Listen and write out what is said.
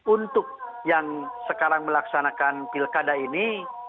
untuk yang sekarang melaksanakan pilkada ini